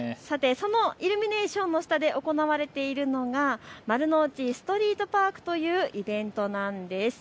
そのイルミネーションの下で行われているのが丸の内ストリートパークというイベントなんです。